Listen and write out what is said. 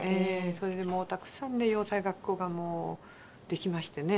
それでもうたくさんね洋裁学校ができましてね。